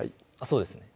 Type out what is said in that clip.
そうですね